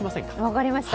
分かりました。